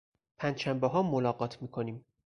پنجشنبهها ملاقات میکنیم.